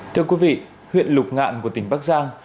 thưa quý vị huyện lục ngạn của tỉnh bắc giang